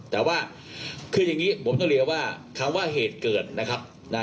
แต่ว่าคืออย่างนี้ผมต้องเรียนว่าคำว่าเหตุเกิดนะครับ